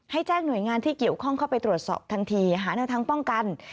แจ้งหน่วยงานที่เกี่ยวข้องเข้าไปตรวจสอบทันทีหาแนวทางป้องกัน